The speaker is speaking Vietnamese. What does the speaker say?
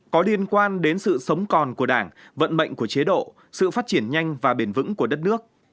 có liên quan đến sự sống còn của đảng vận mệnh của chế độ sự phát triển nhanh và bền vững của đất nước